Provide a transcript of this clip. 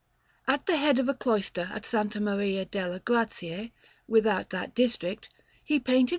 At the head of a cloister at S. Maria delle Grazie, without that district, he painted S.